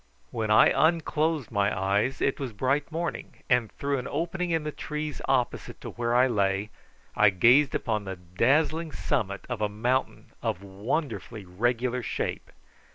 When I unclosed my eyes it was bright morning and through an opening in the trees opposite to where I lay I gazed upon the dazzling summit of a mountain of wonderfully regular shape.